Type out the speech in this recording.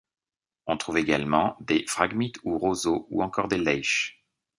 On trouve également des phragmites ou roseaux, ou encore des laiches.